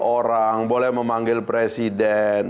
orang boleh memanggil presiden